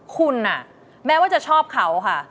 คุณแม้ว่าจะชอบเขาค่ะ